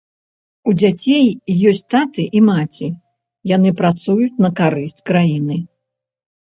У дзяцей ёсць таты і маці, яны працуюць на карысць краіны.